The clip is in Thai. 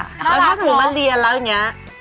แล้วถ้าสมมุติมาเรียนแล้วอย่างนี้